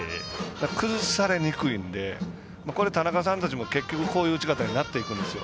崩されにくいので田中さんたちも結局こういう打ち方になっていくんですよ。